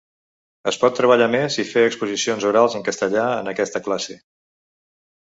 Es pot treballar més i fer exposicions orals en castellà en aquesta classe.